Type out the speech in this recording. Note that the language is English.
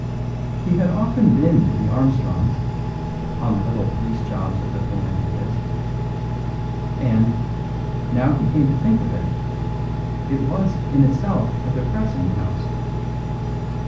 He had often been to the Armstrongs', on little police jobs of the philanthropist; and, now he came to think of it, it was in itself a depressing house.